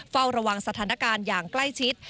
เฝ้าระวังสถานการณ์อย่างใกล้ชิด